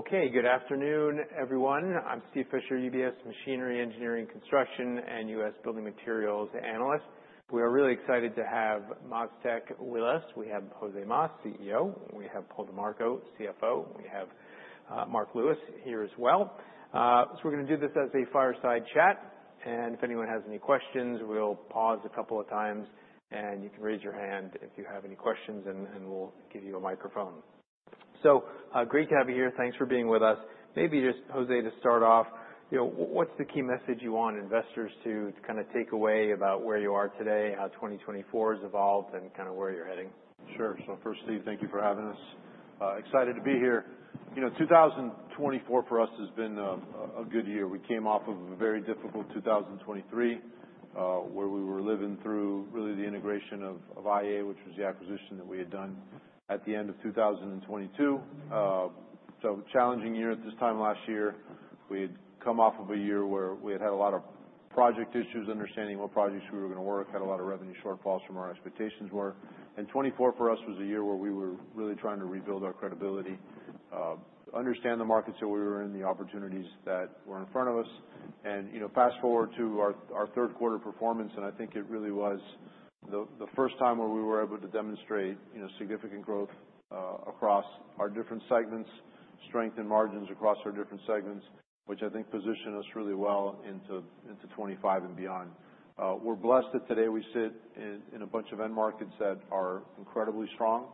Okay, good afternoon, everyone. I'm Steve Fisher, UBS Machinery Engineering Construction and U.S. Building Materials Analyst. We are really excited to have MasTec with us. We have José Mas, CEO. We have Paul DiMarco, CFO. We have Marc Lewis here as well. So we're going to do this as a fireside chat, and if anyone has any questions, we'll pause a couple of times, and you can raise your hand if you have any questions, and we'll give you a microphone. So great to have you here. Thanks for being with us. Maybe just, José, to start off, what's the key message you want investors to kind of take away about where you are today, how 2024 has evolved, and kind of where you're heading? Sure, so first, Steve, thank you for having us. Excited to be here. 2024 for us has been a good year. We came off of a very difficult 2023, where we were living through really the integration of IEA, which was the acquisition that we had done at the end of 2022. So challenging year at this time. Last year, we had come off of a year where we had had a lot of project issues, understanding what projects we were going to work, had a lot of revenue shortfalls from where our expectations were. And 2024 for us was a year where we were really trying to rebuild our credibility, understand the markets that we were in, the opportunities that were in front of us. Fast forward to our third quarter performance, and I think it really was the first time where we were able to demonstrate significant growth across our different segments, strengthened margins across our different segments, which I think positioned us really well into 2025 and beyond. We're blessed that today we sit in a bunch of end markets that are incredibly strong.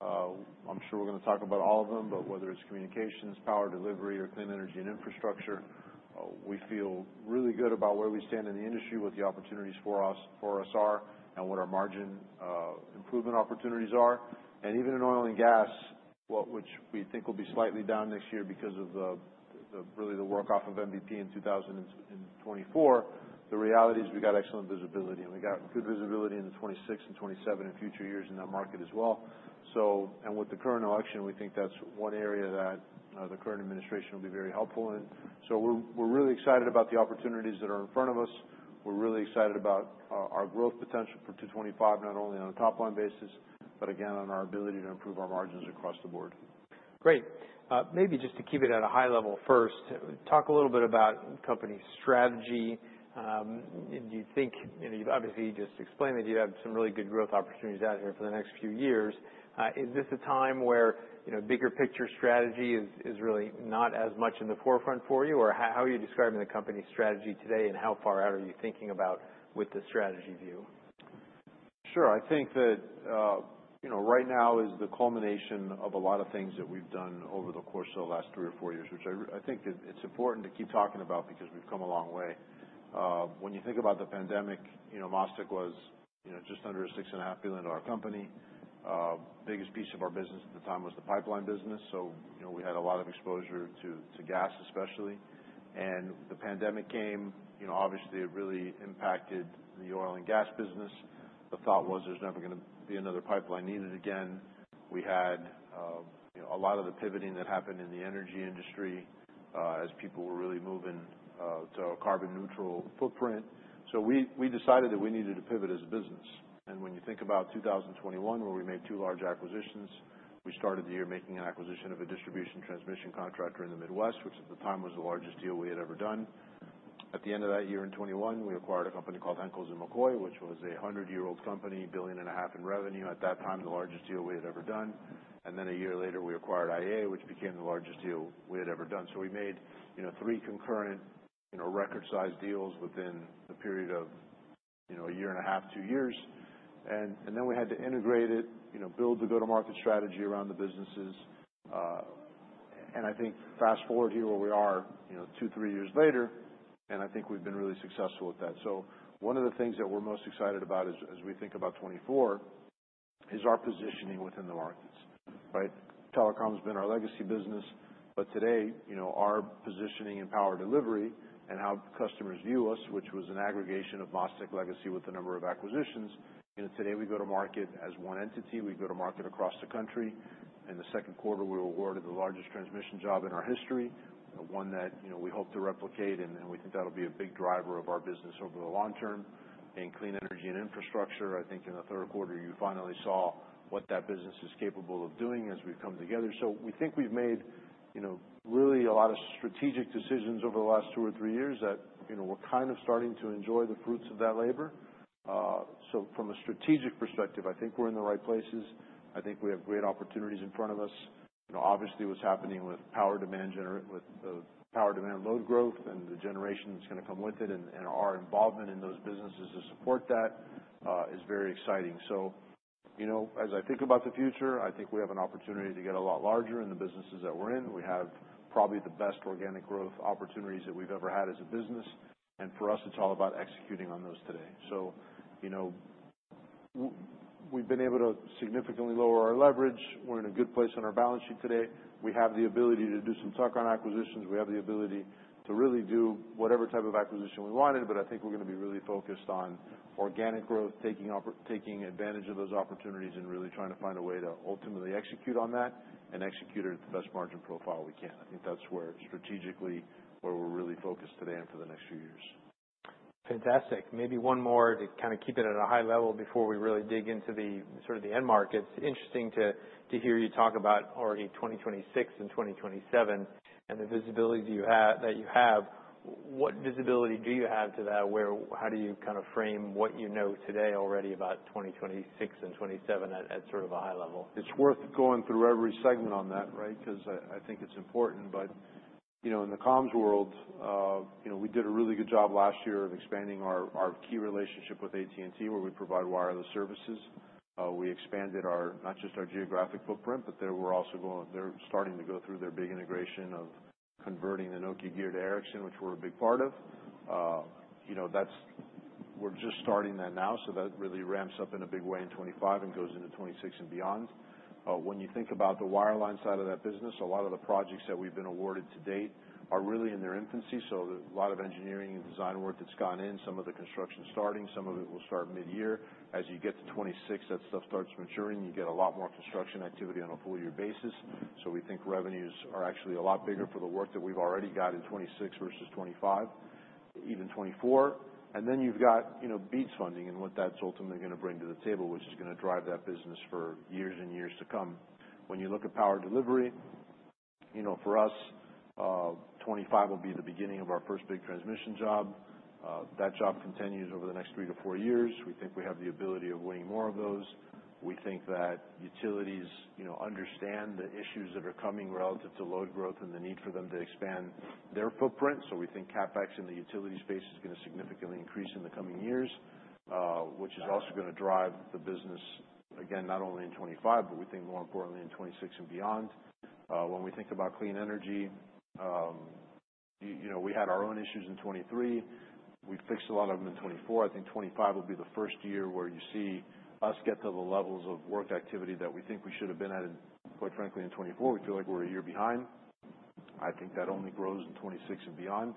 I'm sure we're going to talk about all of them, but whether it's communications, power delivery, or clean energy and infrastructure, we feel really good about where we stand in the industry, what the opportunities for us are, and what our margin improvement opportunities are. And even in oil and gas, which we think will be slightly down next year because of really the work off of MVP in 2024, the reality is we got excellent visibility, and we got good visibility in 2026 and 2027 and future years in that market as well. And with the current election, we think that's one area that the current administration will be very helpful in. So we're really excited about the opportunities that are in front of us. We're really excited about our growth potential for 2025, not only on a top-line basis, but again, on our ability to improve our margins across the board. Great. Maybe just to keep it at a high level first, talk a little bit about company strategy. You think, obviously, you just explained that you have some really good growth opportunities out here for the next few years. Is this a time where bigger picture strategy is really not as much in the forefront for you? Or how are you describing the company's strategy today, and how far out are you thinking about with the strategy view? Sure. I think that right now is the culmination of a lot of things that we've done over the course of the last three or four years, which I think it's important to keep talking about because we've come a long way. When you think about the pandemic, MasTec was just under a $6.5 billion company. Biggest piece of our business at the time was the pipeline business, so we had a lot of exposure to gas, especially, and the pandemic came. Obviously, it really impacted the oil and gas business. The thought was there's never going to be another pipeline needed again. We had a lot of the pivoting that happened in the energy industry as people were really moving to a carbon-neutral footprint, so we decided that we needed to pivot as a business. When you think about 2021, where we made two large acquisitions, we started the year making an acquisition of a distribution transmission contractor in the Midwest, which at the time was the largest deal we had ever done. At the end of that year, in 2021, we acquired a company called Henkels & McCoy, which was a 100-year-old company, $1.5 billion in revenue, at that time the largest deal we had ever done. And then a year later, we acquired IEA, which became the largest deal we had ever done. So we made three concurrent record-sized deals within the period of a year and a half, two years. And then we had to integrate it, build the go-to-market strategy around the businesses. And I think fast forward here where we are two, three years later, and I think we've been really successful with that. So one of the things that we're most excited about as we think about 2024 is our positioning within the markets. Telecom has been our legacy business, but today our positioning in power delivery and how customers view us, which was an aggregation of MasTec legacy with a number of acquisitions. Today we go to market as one entity. We go to market across the country. In the second quarter, we were awarded the largest transmission job in our history, one that we hope to replicate, and we think that'll be a big driver of our business over the long term. In clean energy and infrastructure, I think in the third quarter, you finally saw what that business is capable of doing as we've come together. So we think we've made really a lot of strategic decisions over the last two or three years that we're kind of starting to enjoy the fruits of that labor. So from a strategic perspective, I think we're in the right places. I think we have great opportunities in front of us. Obviously, what's happening with power demand load growth and the generation that's going to come with it and our involvement in those businesses to support that is very exciting. So as I think about the future, I think we have an opportunity to get a lot larger in the businesses that we're in. We have probably the best organic growth opportunities that we've ever had as a business, and for us, it's all about executing on those today. So we've been able to significantly lower our leverage. We're in a good place on our balance sheet today. We have the ability to do some tuck-in acquisitions. We have the ability to really do whatever type of acquisition we wanted, but I think we're going to be really focused on organic growth, taking advantage of those opportunities and really trying to find a way to ultimately execute on that and execute it at the best margin profile we can. I think that's strategically where we're really focused today and for the next few years. Fantastic. Maybe one more to kind of keep it at a high level before we really dig into the end markets. Interesting to hear you talk about already 2026 and 2027 and the visibility that you have. What visibility do you have to that? How do you kind of frame what you know today already about 2026 and 2027 at sort of a high level? It's worth going through every segment on that, right, because I think it's important. But in the comms world, we did a really good job last year of expanding our key relationship with AT&T, where we provide wireless services. We expanded not just our geographic footprint, but they're also starting to go through their big integration of converting the Nokia gear to Ericsson, which we're a big part of. We're just starting that now, so that really ramps up in a big way in 2025 and goes into 2026 and beyond. When you think about the wireline side of that business, a lot of the projects that we've been awarded to date are really in their infancy. So a lot of engineering and design work that's gone in, some of the construction starting, some of it will start mid-year. As you get to 2026, that stuff starts maturing. You get a lot more construction activity on a full-year basis. So we think revenues are actually a lot bigger for the work that we've already got in 2026 versus 2025, even 2024. And then you've got BEAD funding and what that's ultimately going to bring to the table, which is going to drive that business for years and years to come. When you look at power delivery, for us, 2025 will be the beginning of our first big transmission job. That job continues over the next three to four years. We think we have the ability of winning more of those. We think that utilities understand the issues that are coming relative to load growth and the need for them to expand their footprint. So we think CapEx in the utility space is going to significantly increase in the coming years, which is also going to drive the business, again, not only in 2025, but we think more importantly in 2026 and beyond. When we think about clean energy, we had our own issues in 2023. We fixed a lot of them in 2024. I think 2025 will be the first year where you see us get to the levels of work activity that we think we should have been at, quite frankly, in 2024. We feel like we're a year behind. I think that only grows in 2026 and beyond.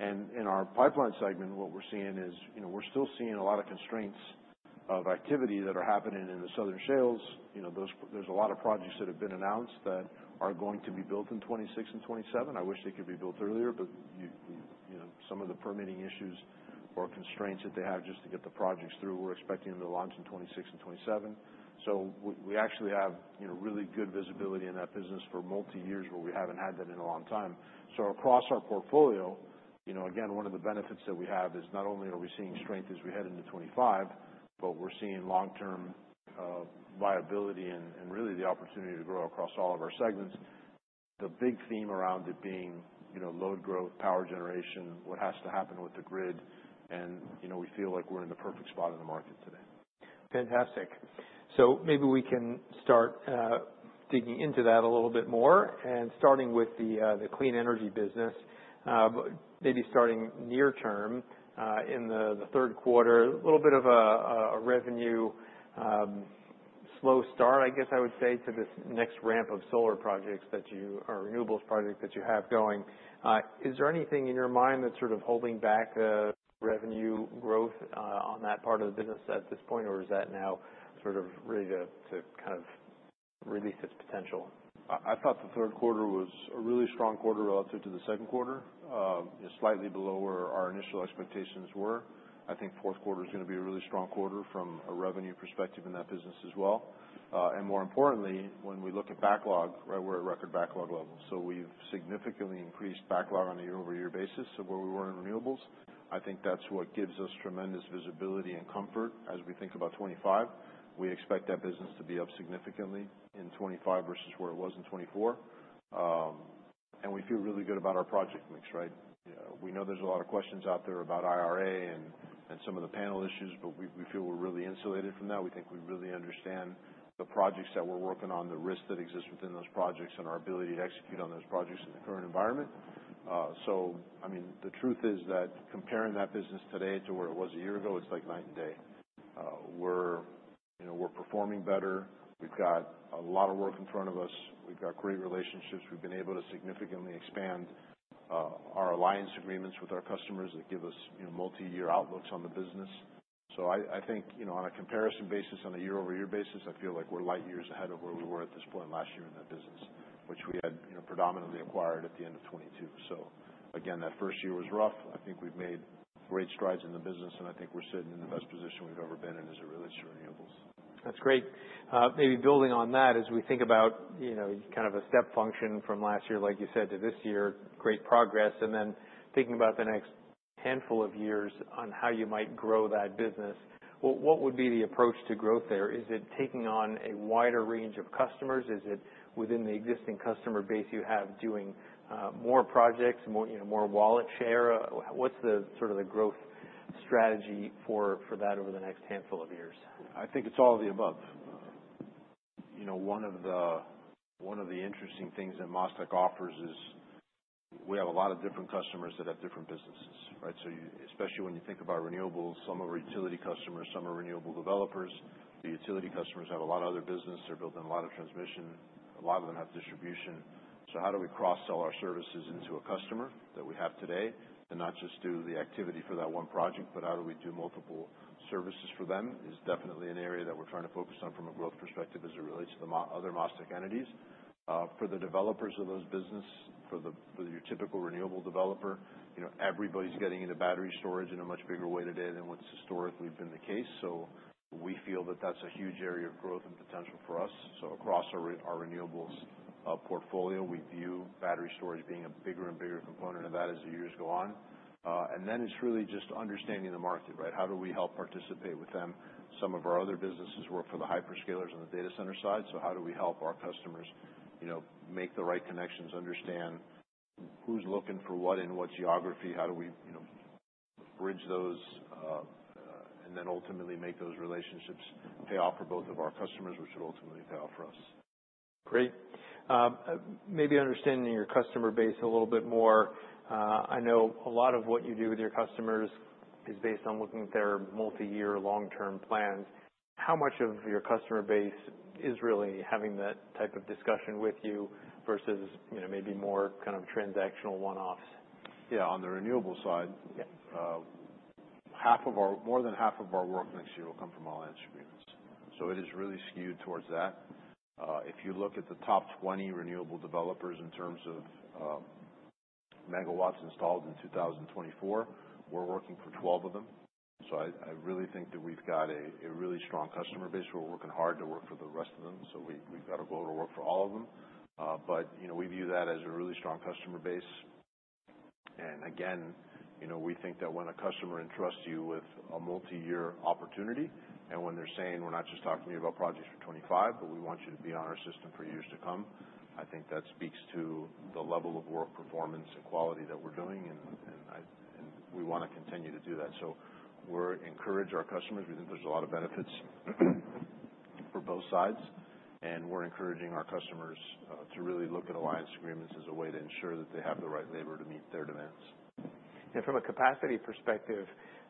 And in our pipeline segment, what we're seeing is we're still seeing a lot of constraints of activity that are happening in the Southern shales. There's a lot of projects that have been announced that are going to be built in 2026 and 2027. I wish they could be built earlier, but some of the permitting issues or constraints that they have just to get the projects through. We're expecting them to launch in 2026 and 2027. So we actually have really good visibility in that business for multi-years where we haven't had that in a long time. So across our portfolio, again, one of the benefits that we have is not only are we seeing strength as we head into 2025, but we're seeing long-term viability and really the opportunity to grow across all of our segments. The big theme around it being load growth, power generation, what has to happen with the grid, and we feel like we're in the perfect spot in the market today. Fantastic. So maybe we can start digging into that a little bit more. And starting with the clean energy business, maybe starting near term in the third quarter, a little bit of a revenue slow start, I guess I would say, to this next ramp of solar projects or renewables projects that you have going. Is there anything in your mind that's sort of holding back revenue growth on that part of the business at this point, or is that now sort of ready to kind of release its potential? I thought the third quarter was a really strong quarter relative to the second quarter, slightly below where our initial expectations were. I think fourth quarter is going to be a really strong quarter from a revenue perspective in that business as well. And more importantly, when we look at backlog, we're at record backlog level. So we've significantly increased backlog on a year-over-year basis of where we were in renewables. I think that's what gives us tremendous visibility and comfort as we think about 2025. We expect that business to be up significantly in 2025 versus where it was in 2024. And we feel really good about our project mix, right? We know there's a lot of questions out there about IRA and some of the panel issues, but we feel we're really insulated from that. We think we really understand the projects that we're working on, the risks that exist within those projects, and our ability to execute on those projects in the current environment. So I mean, the truth is that comparing that business today to where it was a year ago, it's like night and day. We're performing better. We've got a lot of work in front of us. We've got great relationships. We've been able to significantly expand our alliance agreements with our customers that give us multi-year outlooks on the business. So I think on a comparison basis, on a year-over-year basis, I feel like we're light years ahead of where we were at this point last year in that business, which we had predominantly acquired at the end of 2022. So again, that first year was rough. I think we've made great strides in the business, and I think we're sitting in the best position we've ever been in as it relates to renewables. That's great. Maybe building on that, as we think about kind of a step function from last year, like you said, to this year, great progress, and then thinking about the next handful of years on how you might grow that business, what would be the approach to growth there? Is it taking on a wider range of customers? Is it within the existing customer base you have doing more projects, more wallet share? What's sort of the growth strategy for that over the next handful of years? I think it's all of the above. One of the interesting things that MasTec offers is we have a lot of different customers that have different businesses, right? So especially when you think about renewables, some are utility customers, some are renewable developers. The utility customers have a lot of other business. They're building a lot of transmission. A lot of them have distribution. So how do we cross-sell our services into a customer that we have today and not just do the activity for that one project, but how do we do multiple services for them? Is definitely an area that we're trying to focus on from a growth perspective as it relates to the other MasTec entities. For the developers of those businesses, for your typical renewable developer, everybody's getting into battery storage in a much bigger way today than what's historically been the case. So we feel that that's a huge area of growth and potential for us. So across our renewables portfolio, we view battery storage being a bigger and bigger component of that as the years go on. And then it's really just understanding the market, right? How do we help participate with them? Some of our other businesses work for the hyperscalers on the data center side. So how do we help our customers make the right connections, understand who's looking for what in what geography? How do we bridge those and then ultimately make those relationships pay off for both of our customers, which would ultimately pay off for us? Great. Maybe understanding your customer base a little bit more. I know a lot of what you do with your customers is based on looking at their multi-year long-term plans. How much of your customer base is really having that type of discussion with you versus maybe more kind of transactional one-offs? Yeah. On the renewable side, more than half of our work next year will come from alliance agreements. So it is really skewed towards that. If you look at the top 20 renewable developers in terms of megawatts installed in 2024, we're working for 12 of them. So I really think that we've got a really strong customer base. We're working hard to work for the rest of them. So we've got to go to work for all of them. But we view that as a really strong customer base. Again, we think that when a customer entrusts you with a multi-year opportunity and when they're saying, "We're not just talking to you about projects for 2025, but we want you to be on our system for years to come," I think that speaks to the level of work performance and quality that we're doing, and we want to continue to do that. We encourage our customers. We think there's a lot of benefits for both sides, and we're encouraging our customers to really look at alliance agreements as a way to ensure that they have the right labor to meet their demands. From a capacity perspective,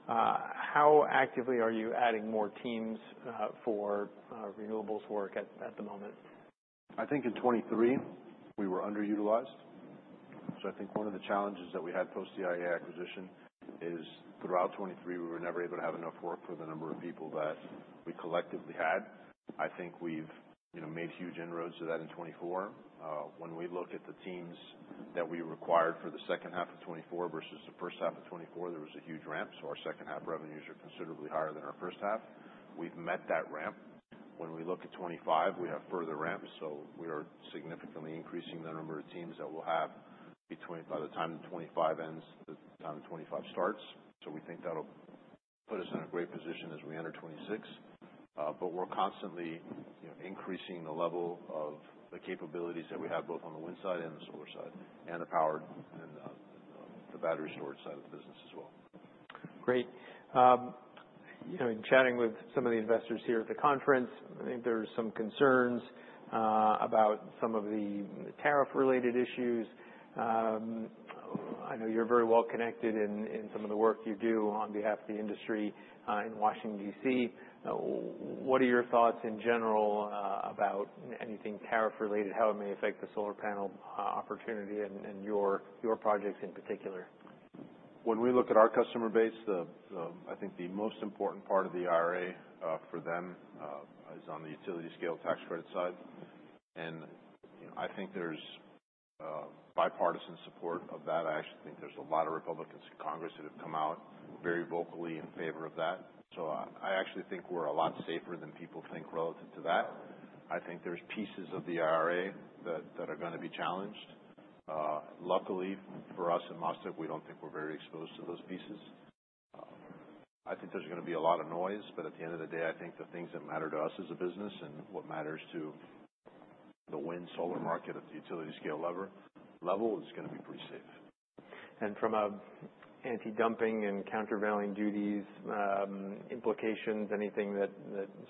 how actively are you adding more teams for renewables work at the moment? I think in 2023, we were underutilized. So I think one of the challenges that we had post-IEA acquisition is throughout 2023, we were never able to have enough work for the number of people that we collectively had. I think we've made huge inroads to that in 2024. When we look at the teams that we required for the second half of 2024 versus the first half of 2024, there was a huge ramp. So our second half revenues are considerably higher than our first half. We've met that ramp. When we look at 2025, we have further ramps. So we are significantly increasing the number of teams that we'll have by the time 2025 ends, the time 2025 starts. So we think that'll put us in a great position as we enter 2026. But we're constantly increasing the level of the capabilities that we have both on the wind side and the solar side and the power and the battery storage side of the business as well. Great. In chatting with some of the investors here at the conference, I think there are some concerns about some of the tariff-related issues. I know you're very well connected in some of the work you do on behalf of the industry in Washington, D.C. What are your thoughts in general about anything tariff-related, how it may affect the solar panel opportunity and your projects in particular? When we look at our customer base, I think the most important part of the IRA for them is on the utility-scale tax credit side. And I think there's bipartisan support of that. I actually think there's a lot of Republicans in Congress that have come out very vocally in favor of that. So I actually think we're a lot safer than people think relative to that. I think there's pieces of the IRA that are going to be challenged. Luckily for us at MasTec, we don't think we're very exposed to those pieces. I think there's going to be a lot of noise, but at the end of the day, I think the things that matter to us as a business and what matters to the wind solar market at the utility-scale level is going to be pretty safe. And from an anti-dumping and countervailing duties implications, anything that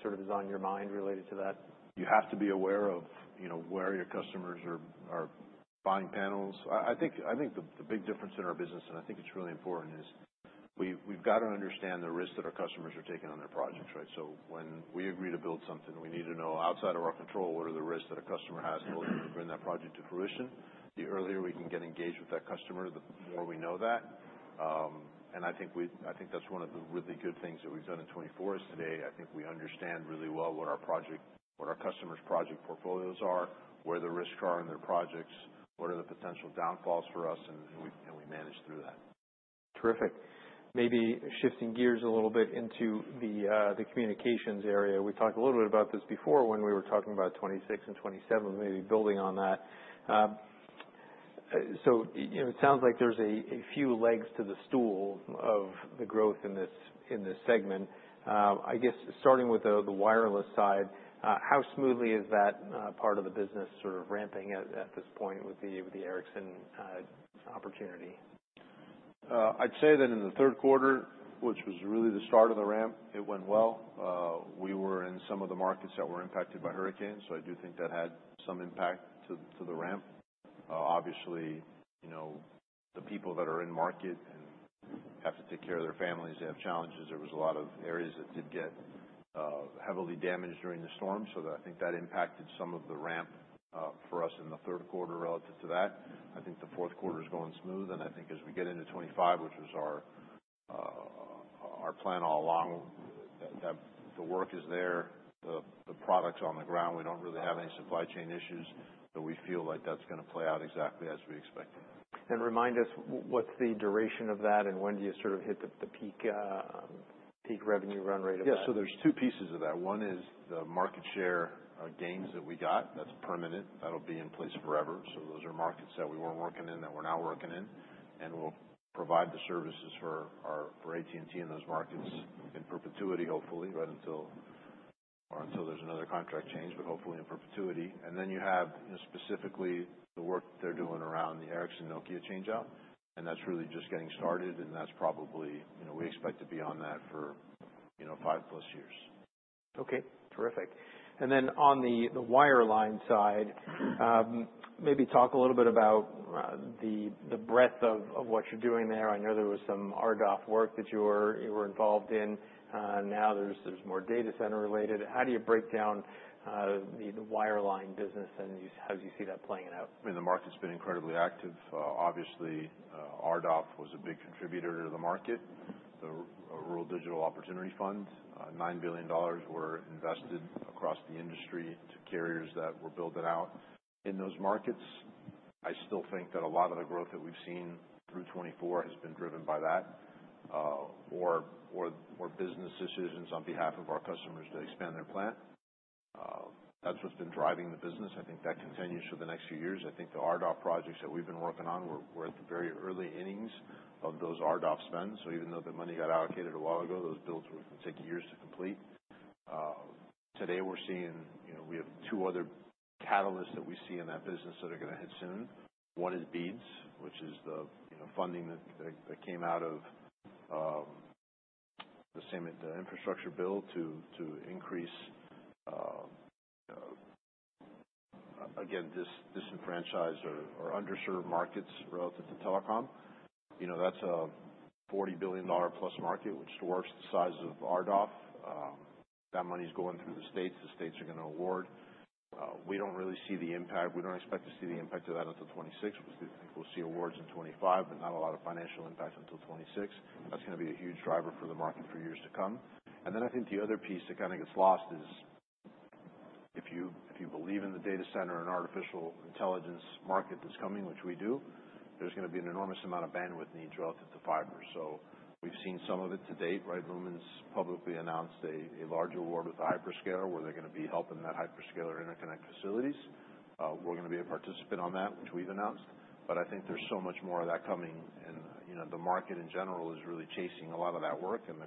sort of is on your mind related to that? You have to be aware of where your customers are buying panels. I think the big difference in our business, and I think it's really important, is we've got to understand the risks that our customers are taking on their projects, right? So when we agree to build something, we need to know outside of our control what are the risks that a customer has to bring that project to fruition. The earlier we can get engaged with that customer, the more we know that, and I think that's one of the really good things that we've done in 2024 is today, I think we understand really well what our customers' project portfolios are, where the risks are in their projects, what are the potential downfalls for us, and we manage through that. Terrific. Maybe shifting gears a little bit into the communications area. We talked a little bit about this before when we were talking about 2026 and 2027, maybe building on that. So it sounds like there's a few legs to the stool of the growth in this segment. I guess starting with the wireless side, how smoothly is that part of the business sort of ramping at this point with the Ericsson opportunity? I'd say that in the third quarter, which was really the start of the ramp, it went well. We were in some of the markets that were impacted by hurricanes, so I do think that had some impact to the ramp. Obviously, the people that are in market have to take care of their families. They have challenges. There was a lot of areas that did get heavily damaged during the storm. So I think that impacted some of the ramp for us in the third quarter relative to that. I think the fourth quarter is going smooth. And I think as we get into 2025, which was our plan all along, the work is there, the product's on the ground. We don't really have any supply chain issues, but we feel like that's going to play out exactly as we expected. Remind us, what's the duration of that, and when do you sort of hit the peak revenue run rate of that? Yeah. So there are two pieces of that. One is the market share gains that we got. That's permanent. That'll be in place forever. So those are markets that we weren't working in that we're now working in. And we'll provide the services for AT&T in those markets in perpetuity, hopefully, right until there's another contract change, but hopefully in perpetuity. And then you have specifically the work they're doing around the Ericsson Nokia changeout. And that's really just getting started, and that's probably we expect to be on that for five plus years. Okay. Terrific, and then on the wireline side, maybe talk a little bit about the breadth of what you're doing there. I know there was some RDOF work that you were involved in. Now there's more data center related. How do you break down the wireline business, and how do you see that playing out? I mean, the market's been incredibly active. Obviously, RDOF was a big contributor to the market, the Rural Digital Opportunity Fund. $9 billion were invested across the industry to carriers that were building out in those markets. I still think that a lot of the growth that we've seen through 2024 has been driven by that or business decisions on behalf of our customers to expand their plant. That's what's been driving the business. I think that continues for the next few years. I think the RDOF projects that we've been working on, we're at the very early innings of those RDOF spends. So even though the money got allocated a while ago, those builds were going to take years to complete. Today, we're seeing we have two other catalysts that we see in that business that are going to hit soon. One is BEAD, which is the funding that came out of the infrastructure bill to increase, again, disenfranchised or underserved markets relative to telecom. That's a $40 billion-plus market, which is worth the size of RDOF. That money is going through the states. The states are going to award. We don't really see the impact. We don't expect to see the impact of that until 2026. We'll see awards in 2025, but not a lot of financial impact until 2026. That's going to be a huge driver for the market for years to come. And then I think the other piece that kind of gets lost is if you believe in the data center and artificial intelligence market that's coming, which we do, there's going to be an enormous amount of bandwidth needs relative to fiber. So we've seen some of it to date, right? Lumen's publicly announced a large award with a hyperscaler where they're going to be helping that hyperscaler interconnect facilities. We're going to be a participant on that, which we've announced, but I think there's so much more of that coming, and the market in general is really chasing a lot of that work, and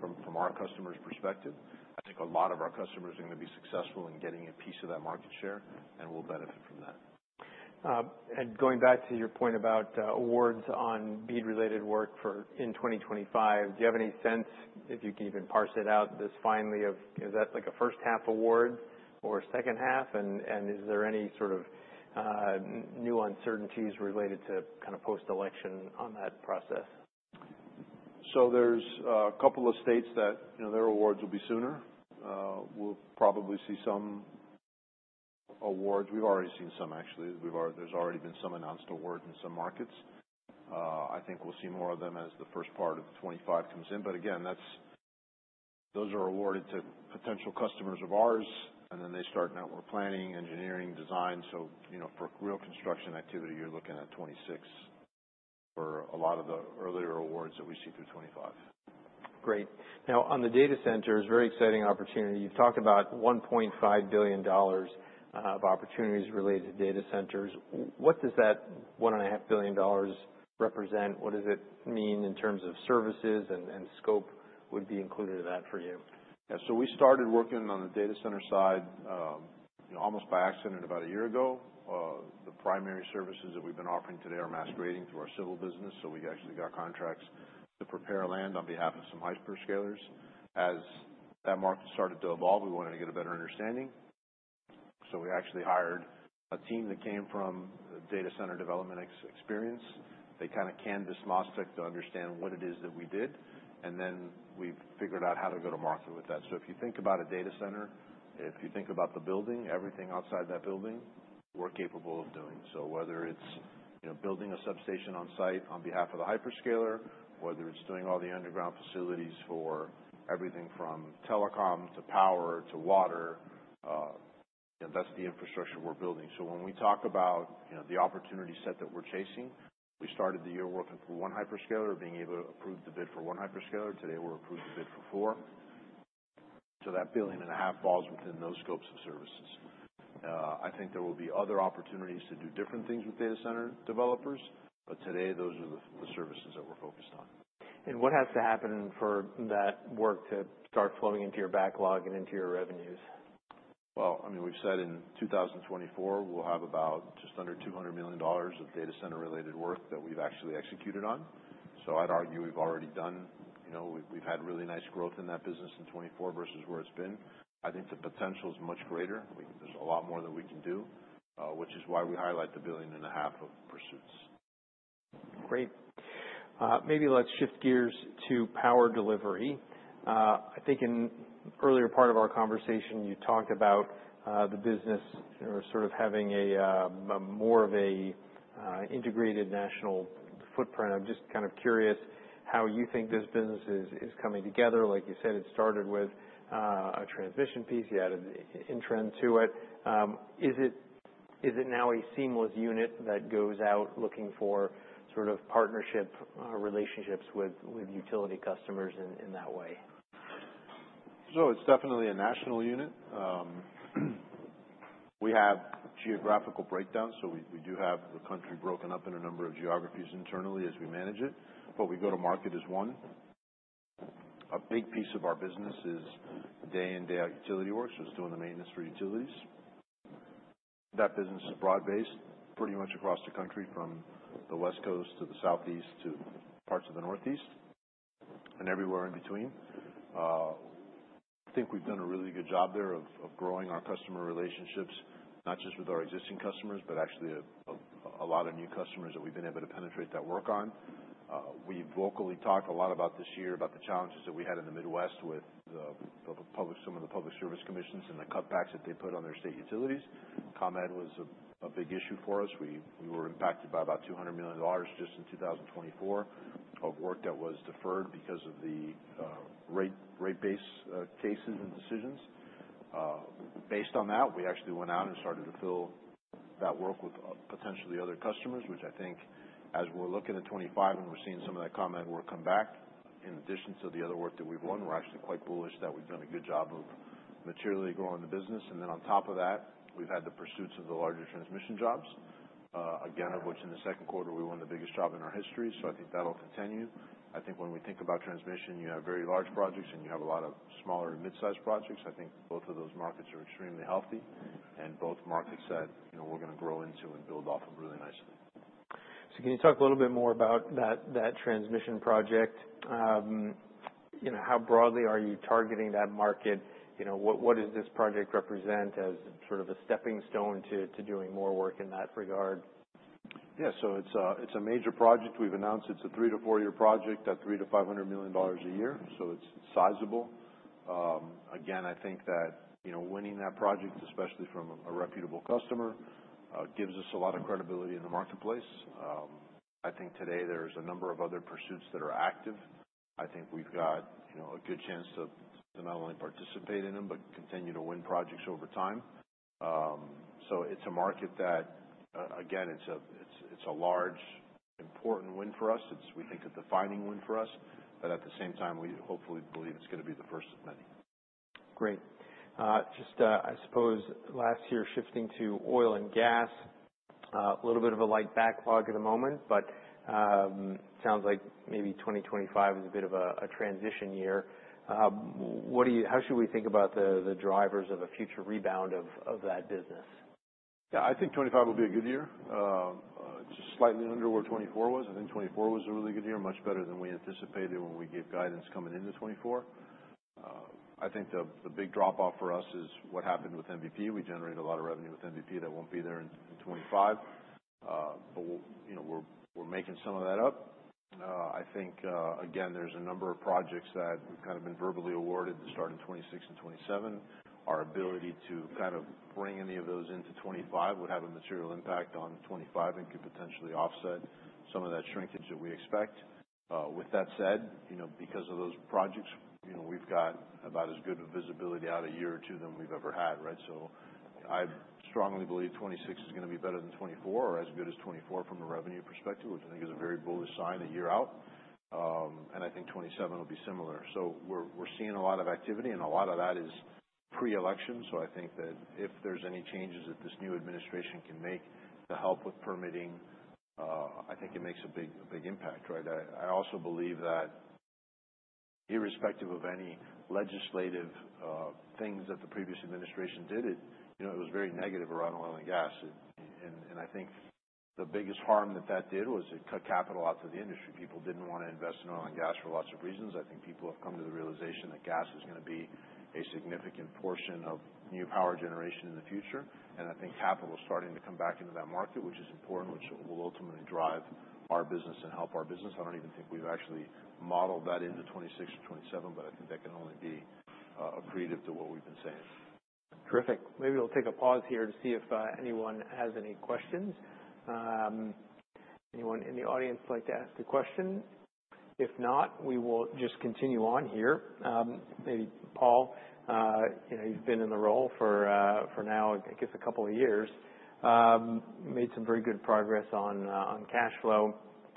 from our customer's perspective, I think a lot of our customers are going to be successful in getting a piece of that market share, and we'll benefit from that. Going back to your point about awards on BEAD-related work in 2025, do you have any sense, if you can even parse it out this finely, of is that like a first-half award or second-half? Is there any sort of new uncertainties related to kind of post-election on that process? So there's a couple of states that their awards will be sooner. We'll probably see some awards. We've already seen some, actually. There's already been some announced awards in some markets. I think we'll see more of them as the first part of 2025 comes in. But again, those are awarded to potential customers of ours, and then they start network planning, engineering, design. So for real construction activity, you're looking at 2026 for a lot of the earlier awards that we see through 2025. Great. Now, on the data centers, very exciting opportunity. You've talked about $1.5 billion of opportunities related to data centers. What does that $1.5 billion represent? What does it mean in terms of services and scope would be included in that for you? Yeah. So we started working on the data center side almost by accident about a year ago. The primary services that we've been offering today are masquerading through our civil business. So we actually got contracts to prepare land on behalf of some hyperscalers. As that market started to evolve, we wanted to get a better understanding. So we actually hired a team that came from data center development experience. They kind of canvassed MasTec to understand what it is that we did. And then we figured out how to go to market with that. So if you think about a data center, if you think about the building, everything outside that building, we're capable of doing. So whether it's building a substation on site on behalf of the hyperscaler, whether it's doing all the underground facilities for everything from telecom to power to water, that's the infrastructure we're building. So when we talk about the opportunity set that we're chasing, we started the year working for one hyperscaler, being able to approve the bid for one hyperscaler. Today, we're approved to bid for four. So that $1.5 billion falls within those scopes of services. I think there will be other opportunities to do different things with data center developers, but today, those are the services that we're focused on. What has to happen for that work to start flowing into your backlog and into your revenues? I mean, we've said in 2024, we'll have about just under $200 million of data center-related work that we've actually executed on. So I'd argue we've already done. We've had really nice growth in that business in 2024 versus where it's been. I think the potential is much greater. There's a lot more that we can do, which is why we highlight the $1.5 billion of pursuits. Great. Maybe let's shift gears to power delivery. I think in the earlier part of our conversation, you talked about the business sort of having more of an integrated national footprint. I'm just kind of curious how you think this business is coming together. Like you said, it started with a transmission piece. You added Intren to it. Is it now a seamless unit that goes out looking for sort of partnership relationships with utility customers in that way? So it's definitely a national unit. We have geographical breakdown, so we do have the country broken up in a number of geographies internally as we manage it. But we go to market as one. A big piece of our business is day-in and day-out utility work. So it's doing the maintenance for utilities. That business is broad-based pretty much across the country from the West Coast to the Southeast to parts of the Northeast and everywhere in between. I think we've done a really good job there of growing our customer relationships, not just with our existing customers, but actually a lot of new customers that we've been able to penetrate that work on. We've vocally talked a lot about this year about the challenges that we had in the Midwest with some of the public service commissions and the cutbacks that they put on their state utilities. ComEd was a big issue for us. We were impacted by about $200 million just in 2024 of work that was deferred because of the rate base cases and decisions. Based on that, we actually went out and started to fill that work with potentially other customers, which I think as we're looking at 2025 and we're seeing some of that ComEd work come back, in addition to the other work that we've won, we're actually quite bullish that we've done a good job of materially growing the business. Then on top of that, we've had the pursuits of the larger transmission jobs, again, of which in the second quarter, we won the biggest job in our history. I think that'll continue. I think when we think about transmission, you have very large projects and you have a lot of smaller and mid-sized projects. I think both of those markets are extremely healthy, and both markets that we're going to grow into and build off of really nicely. So can you talk a little bit more about that transmission project? How broadly are you targeting that market? What does this project represent as sort of a stepping stone to doing more work in that regard? Yeah. So it's a major project. We've announced it's a three- to four-year project at $3 million-$500 million a year. So it's sizable. Again, I think that winning that project, especially from a reputable customer, gives us a lot of credibility in the marketplace. I think today there's a number of other pursuits that are active. I think we've got a good chance to not only participate in them but continue to win projects over time. So it's a market that, again, it's a large, important win for us. We think it's a defining win for us. But at the same time, we hopefully believe it's going to be the first of many. Great. Just, I suppose, last year, shifting to oil and gas, a little bit of a light backlog at the moment, but it sounds like maybe 2025 is a bit of a transition year. How should we think about the drivers of a future rebound of that business? Yeah. I think 2025 will be a good year. Just slightly under where 2024 was. I think 2024 was a really good year, much better than we anticipated when we gave guidance coming into 2024. I think the big drop-off for us is what happened with MVP. We generated a lot of revenue with MVP that won't be there in 2025. But we're making some of that up. I think, again, there's a number of projects that we've kind of been verbally awarded to start in 2026 and 2027. Our ability to kind of bring any of those into 2025 would have a material impact on 2025 and could potentially offset some of that shrinkage that we expect. With that said, because of those projects, we've got about as good a visibility out a year or two than we've ever had, right? So I strongly believe 2026 is going to be better than 2024 or as good as 2024 from a revenue perspective, which I think is a very bullish sign a year out. And I think 2027 will be similar. So we're seeing a lot of activity, and a lot of that is pre-election. So I think that if there's any changes that this new administration can make to help with permitting, I think it makes a big impact, right? I also believe that irrespective of any legislative things that the previous administration did, it was very negative around oil and gas. And I think the biggest harm that that did was it cut capital out to the industry. People didn't want to invest in oil and gas for lots of reasons. I think people have come to the realization that gas is going to be a significant portion of new power generation in the future, and I think capital is starting to come back into that market, which is important, which will ultimately drive our business and help our business. I don't even think we've actually modeled that into 2026 or 2027, but I think that can only be a predict of what we've been saying. Terrific. Maybe we'll take a pause here to see if anyone has any questions. Anyone in the audience like to ask a question? If not, we will just continue on here. Maybe Paul, you've been in the role for now, I guess, a couple of years. Made some very good progress on cash flow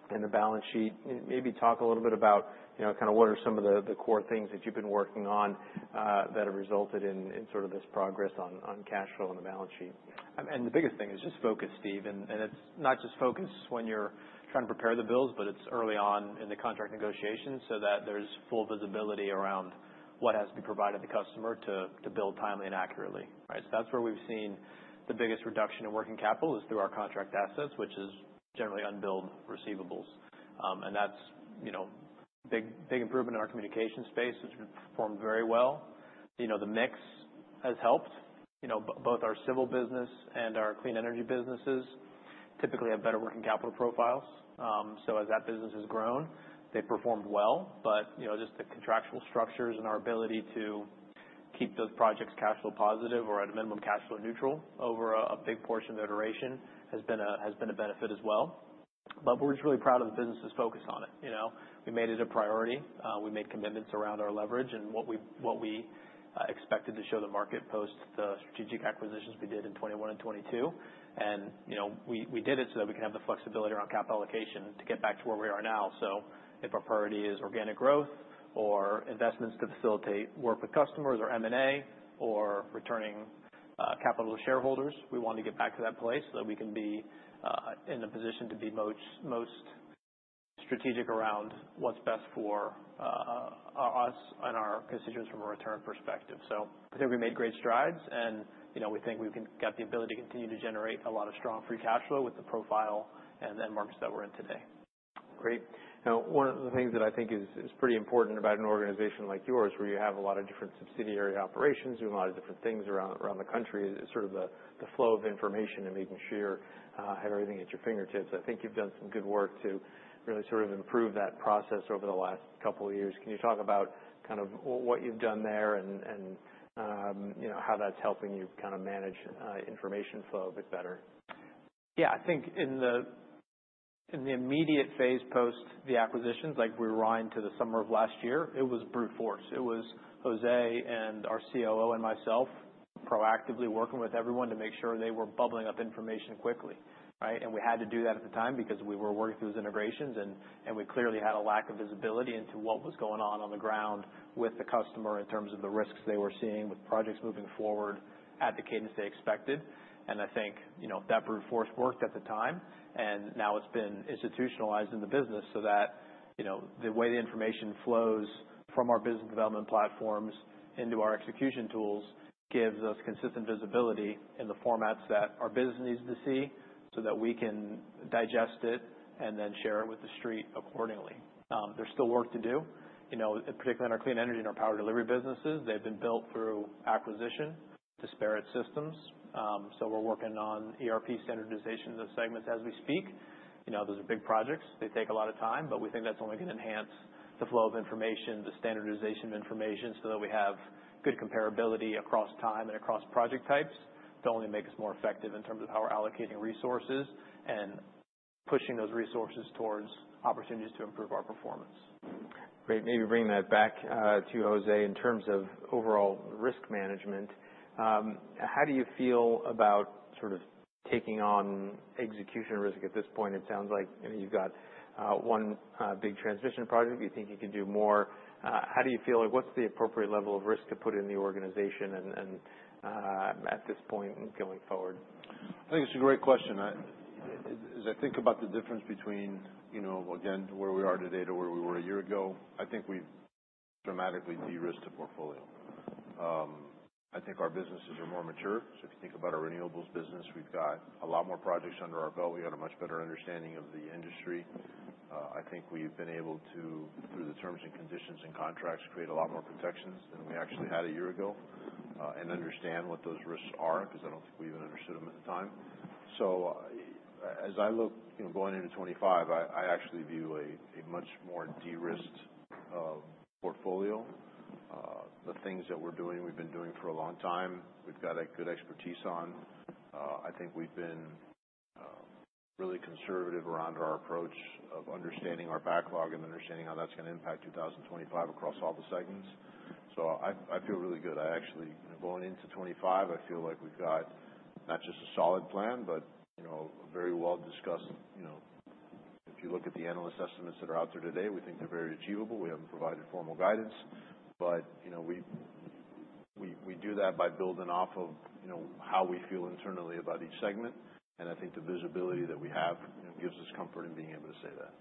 and the balance sheet. Maybe talk a little bit about kind of what are some of the core things that you've been working on that have resulted in sort of this progress on cash flow and the balance sheet. And the biggest thing is just focus, Steve. And it's not just focus when you're trying to prepare the bills, but it's early on in the contract negotiations so that there's full visibility around what has to be provided to the customer to build timely and accurately, right? So that's where we've seen the biggest reduction in working capital is through our contract assets, which is generally unbilled receivables. And that's a big improvement in our communication space. It's performed very well. The mix has helped. Both our civil business and our clean energy businesses typically have better working capital profiles. So as that business has grown, they've performed well. But just the contractual structures and our ability to keep those projects cash flow positive or at a minimum cash flow neutral over a big portion of their duration has been a benefit as well. But we're just really proud of the business's focus on it. We made it a priority. We made commitments around our leverage and what we expected to show the market post the strategic acquisitions we did in 2021 and 2022. And we did it so that we can have the flexibility around capital allocation to get back to where we are now. So if our priority is organic growth or investments to facilitate work with customers or M&A or returning capital to shareholders, we want to get back to that place so that we can be in a position to be most strategic around what's best for us and our constituents from a return perspective. So I think we made great strides, and we think we can get the ability to continue to generate a lot of strong free cash flow with the profile and then markets that we're in today. Great. Now, one of the things that I think is pretty important about an organization like yours, where you have a lot of different subsidiary operations, doing a lot of different things around the country, is sort of the flow of information and making sure you have everything at your fingertips. I think you've done some good work to really sort of improve that process over the last couple of years. Can you talk about kind of what you've done there and how that's helping you kind of manage information flow a bit better? Yeah. I think in the immediate phase post the acquisitions, like we were on to the summer of last year, it was brute force. It was José and our COO and myself proactively working with everyone to make sure they were bubbling up information quickly, right? And we had to do that at the time because we were working through those integrations, and we clearly had a lack of visibility into what was going on on the ground with the customer in terms of the risks they were seeing with projects moving forward at the cadence they expected. And I think that brute force worked at the time, and now it's been institutionalized in the business so that the way the information flows from our business development platforms into our execution tools gives us consistent visibility in the formats that our business needs to see so that we can digest it and then share it with the street accordingly. There's still work to do, particularly in our clean energy and our power delivery businesses. They've been built through acquisition, disparate systems. So we're working on ERP standardization of those segments as we speak. Those are big projects. They take a lot of time, but we think that's only going to enhance the flow of information, the standardization of information so that we have good comparability across time and across project types to only make us more effective in terms of how we're allocating resources and pushing those resources towards opportunities to improve our performance. Great. Maybe bringing that back to José in terms of overall risk management. How do you feel about sort of taking on execution risk at this point? It sounds like you've got one big transmission project. You think you can do more. How do you feel like, what's the appropriate level of risk to put in the organization at this point going forward? I think it's a great question. As I think about the difference between, again, where we are today to where we were a year ago, I think we've dramatically de-risked the portfolio. I think our businesses are more mature, so if you think about our renewables business, we've got a lot more projects under our belt. We have a much better understanding of the industry. I think we've been able to, through the terms and conditions and contracts, create a lot more protections than we actually had a year ago and understand what those risks are because I don't think we even understood them at the time, so as I look going into 2025, I actually view a much more de-risked portfolio. The things that we're doing, we've been doing for a long time. We've got a good expertise on. I think we've been really conservative around our approach of understanding our backlog and understanding how that's going to impact 2025 across all the segments, so I feel really good. Actually, going into 2025, I feel like we've got not just a solid plan, but a very well-discussed. If you look at the analyst estimates that are out there today, we think they're very achievable. We haven't provided formal guidance, but we do that by building off of how we feel internally about each segment, and I think the visibility that we have gives us comfort in being able to say that.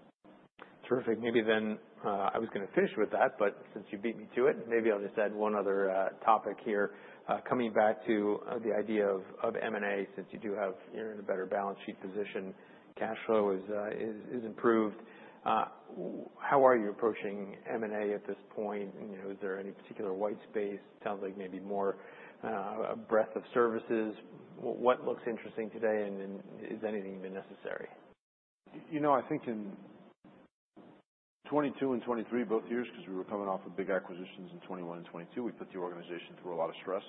Terrific. Maybe then I was going to finish with that, but since you beat me to it, maybe I'll just add one other topic here. Coming back to the idea of M&A, since you do have a better balance sheet position, cash flow is improved. How are you approaching M&A at this point? Is there any particular white space? It sounds like maybe more breadth of services. What looks interesting today, and is anything even necessary? You know, I think in 2022 and 2023, both years, because we were coming off of big acquisitions in 2021 and 2022, we put the organization through a lot of stress.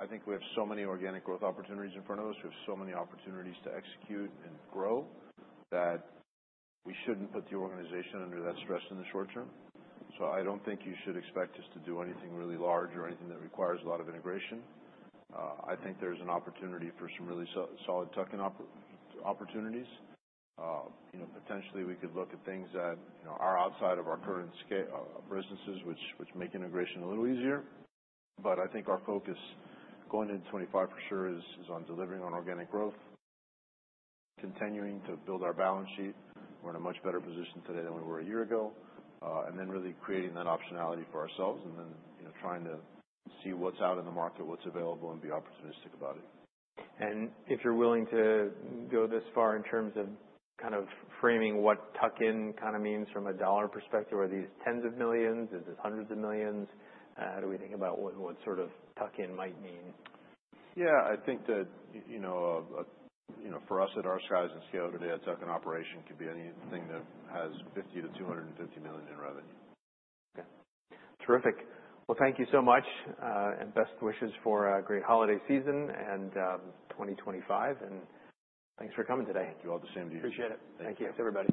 I think we have so many organic growth opportunities in front of us. We have so many opportunities to execute and grow that we shouldn't put the organization under that stress in the short term. So I don't think you should expect us to do anything really large or anything that requires a lot of integration. I think there's an opportunity for some really solid tuck-in opportunities. Potentially, we could look at things that are outside of our current businesses, which make integration a little easier. But I think our focus going into 2025 for sure is on delivering on organic growth, continuing to build our balance sheet. We're in a much better position today than we were a year ago, and then really creating that optionality for ourselves and then trying to see what's out in the market, what's available, and be opportunistic about it. If you're willing to go this far in terms of kind of framing what tuck-in kind of means from a dollar perspective, are these tens of millions? Is it hundreds of millions? How do we think about what sort of tuck-in might mean? Yeah. I think that for us at our size and scale today, a tuck-in operation could be anything that has $50 million-$250 million in revenue. Okay. Terrific. Well, thank you so much and best wishes for a great holiday season and 2025, and thanks for coming today. Thank you all. The same to you. Appreciate it. Thank you, everybody.